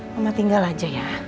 mama tinggal aja ya